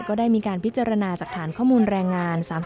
ก็ได้มีการพิจารณาจากฐานข้อมูลแรงงาน๓๐